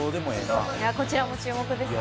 こちらも注目です。